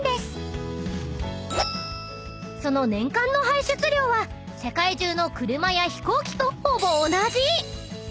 ［その年間の排出量は世界中の車や飛行機と］